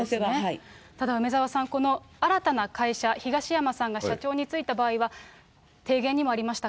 ただ梅沢さん、この新たな会社、東山さんが社長に就いた場合は、提言にもありました、